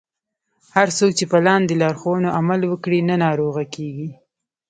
هر څوک چې په لاندې لارښوونو عمل وکړي نه ناروغه کیږي.